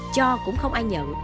cho cũng không ai nhận